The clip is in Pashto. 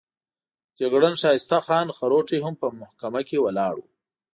جګړن ښایسته خان خروټی هم په محکمه کې ولاړ وو.